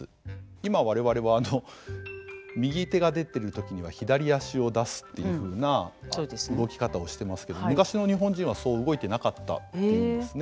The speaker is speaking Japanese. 今我々は右手が出てる時には左足を出すっていうふうな動き方をしてますけど昔の日本人はそう動いてなかったっていうんですね。